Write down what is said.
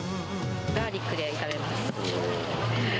ガーリックで炒めます。